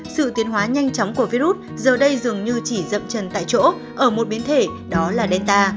sự tiến hóa nhanh chóng của virus giờ đây dường như chỉ rậm chân tại chỗ ở một biến thể đó là delta